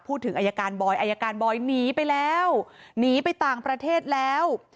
ถึงอายการบอยอายการบอยหนีไปแล้วหนีไปต่างประเทศแล้ว